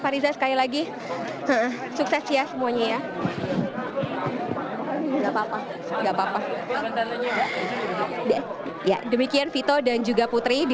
fariza sekali lagi sukses ya semuanya ya nggak papa papa ya demikian vito dan juga putri di